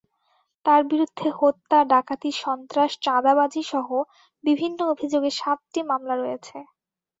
তাঁর বিরুদ্ধে হত্যা, ডাকাতি, সন্ত্রাস, চাঁদাবাজিসহ বিভিন্ন অভিযোগে সাতটি মামলা রয়েছে।